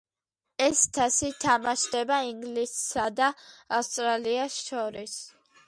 ეს თასი თამაშდება ინგლისსა და ავსტრალიას შორის.